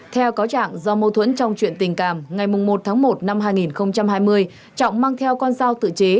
theo cáo trạng do mâu thuẫn trong chuyện tình cảm ngày một tháng một năm hai nghìn hai mươi trọng mang theo con dao tự chế